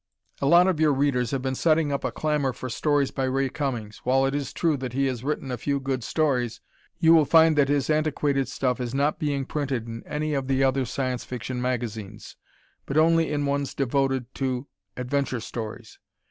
A lot of your readers have been setting up a clamor for stories by Ray Cummings. While it is true that he has written a few good stories, you will find that his antiquated stuff is not being printed in any of the other Science Fiction magazine, but only in ones devoted to adventure stories.